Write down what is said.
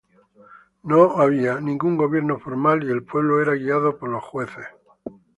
No había ningún gobierno formal, y el pueblo era guiado por los "jueces".